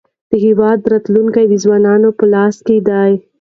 د هېواد راتلونکی د ځوانانو په لاس کې دی.